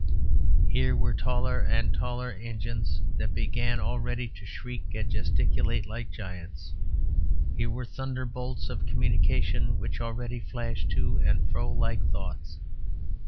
Here were taller and taller engines that began already to shriek and gesticulate like giants. Here were thunderbolts of communication which already flashed to and fro like thoughts.